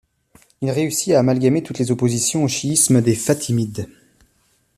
Il réussit à amalgamer toutes les oppositions au chiisme des fatimides.